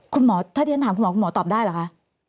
คุณหมอถ้าที่ฉันถามคุณหมอคุณหมอตอบได้เหรอคะ